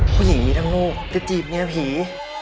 ผู้หญิงทั้งลูกจะจีบเมียผี